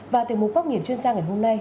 và từ một góc nghiền chuyên gia ngày hôm nay